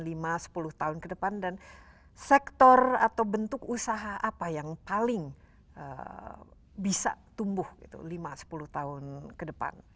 lima sepuluh tahun ke depan dan sektor atau bentuk usaha apa yang paling bisa tumbuh lima sepuluh tahun ke depan